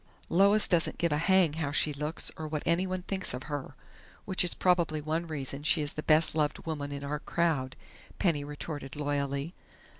"Lois doesn't give a hang how she looks or what anyone thinks of her which is probably one reason she is the best loved woman in our crowd," Penny retorted loyally.